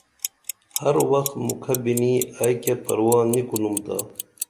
ہر وخ مُکھہ بِنی ائی کیہ پرواہ نی کُنُم تا